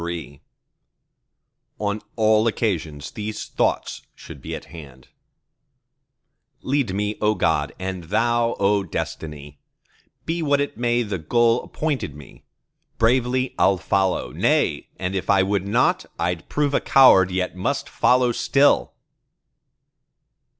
CLXXXIV On all occasions these thoughts should be at hand:— Lead me, O God, and Thou, O Destiny Be what it may the goal appointed me, Bravely I'll follow; nay, and if I would not, I'd prove a coward, yet must follow still!